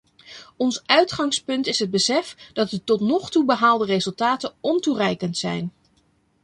Ons uitgangspunt is het besef dat de tot nog toe behaalde resultaten ontoereikend zijn.